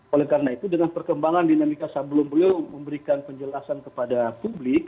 oleh karena itu dengan perkembangan dinamika sebelum beliau memberikan penjelasan kepada publik